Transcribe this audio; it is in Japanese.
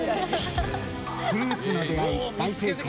フルーツの出会い大成功。